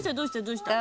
どうした？